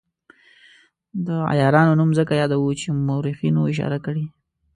د عیارانو نوم ځکه یادوو چې مورخینو اشاره کړې.